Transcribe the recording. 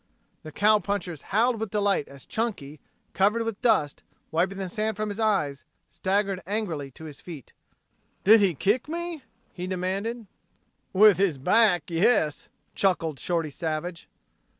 The cowpunchers howled with delight as Chunky, covered with dust, wiping the sand from his eyes, staggered angrily to his feet. "Did he kick me?" he demanded. "With his back, yes," chuckled Shorty Savage.